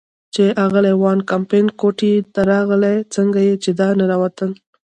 چې اغلې وان کمپن کوټې ته راغلل، څنګه چې را ننوتل.